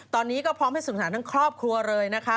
ตอนนี้ก็พร้อมให้สื่อสารทั้งครอบครัวเลยนะคะ